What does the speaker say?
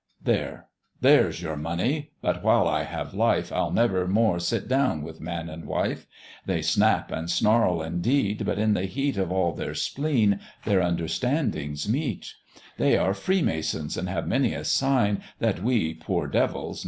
"There, there's your money; but, while I have life, I'll never more sit down with man and wife; They snap and snarl indeed, but in the heat Of all their spleen, their understandings meet; They are Freemasons, and have many a sign, That we, poor devils!